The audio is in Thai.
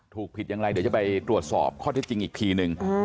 ถูกผิดอย่างไรเดี๋ยวจะไปตรวจสอบข้อเท็จจริงอีกทีนึง